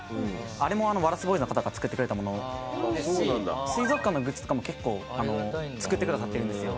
あれもワラスボーイズの方が作ってくれたものですし水族館のグッズとかも結構作ってくださってるんですよ。